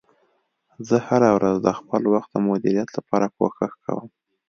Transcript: زه هره ورځ د خپل وخت د مدیریت لپاره کوښښ کوم